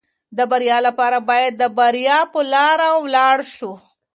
د بریا لپاره باید د بریا په لاره ولاړ شو.